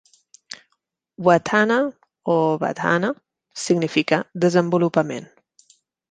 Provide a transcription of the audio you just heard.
Watthana o Vadhana significa desenvolupament.